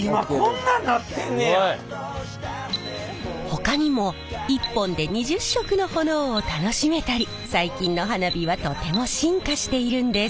ほかにも１本で２０色の炎を楽しめたり最近の花火はとても進化しているんです。